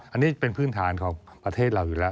อันนี้เป็นพื้นฐานของประเทศเราอยู่แล้ว